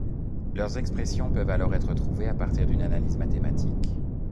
Leurs expressions peuvent alors être trouvées à partir d'une analyse mathématique.